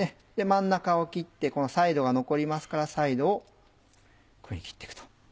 真ん中を切ってこのサイドが残りますからサイドをこういうふうに切って行くと。